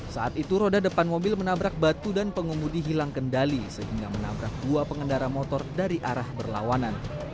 saat itu roda depan mobil menabrak batu dan pengemudi hilang kendali sehingga menabrak dua pengendara motor dari arah berlawanan